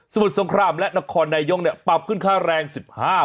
มุดสงครามและนครนายกปรับขึ้นค่าแรง๑๕บาท